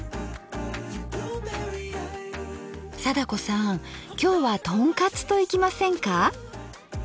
貞子さん今日はとんかつといきませんか？